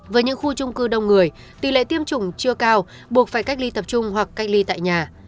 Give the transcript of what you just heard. với những khu trung cư đông người tỷ lệ tiêm chủng chưa cao buộc phải cách ly tập trung hoặc cách ly tại nhà